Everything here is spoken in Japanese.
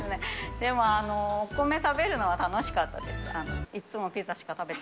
でもお米食べるのは楽しかったです。